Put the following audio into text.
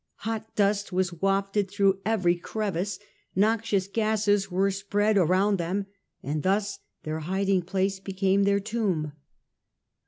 Hot dust was wafted through every crevice ; noxious gases were spread around them ; and thus their hiding place became their tomb.